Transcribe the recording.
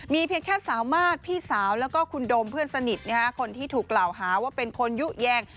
มีเพียงแค่สาวมาสพี่สาวแล้วก็คุณโดมเพื่อนสนิทคนที่ถูกกล่าวหาว่าเป็นคนยุแยง